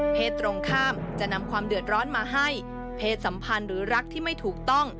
ตรงข้ามจะนำความเดือดร้อนมาให้เพศสัมพันธ์หรือรักที่ไม่ถูกต้อง